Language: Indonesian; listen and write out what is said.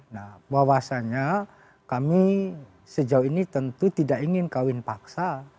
nah bahwasannya kami sejauh ini tentu tidak ingin kawin paksa